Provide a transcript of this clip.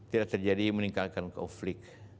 tidak terjadi meningkatkan konflik